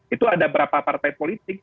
itu ada berapa partai politik